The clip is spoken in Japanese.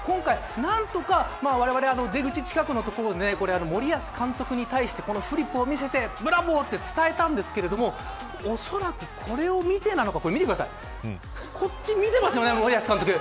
今回、何とかわれわれ出口近くの所で森保監督に対してこのフリップを見せてブラボーと伝えたんですけど恐らく、これを見てなのかこっち見てますよね、森保監督。